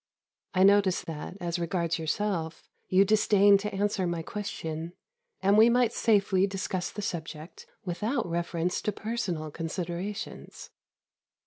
I notice that, as regards yourself, you disdain to answer my question, and we might safely discuss the subject without reference to personal considerations.